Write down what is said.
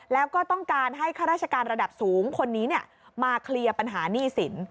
แล้วก็ต้องการให้ข้าราชการระดับสูงคนนี้มาเคลียร์ปัญหาหนี้สิน